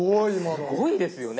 すごいですよね。